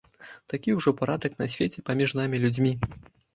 Такі ўжо парадак на свеце паміж намі, людзьмі.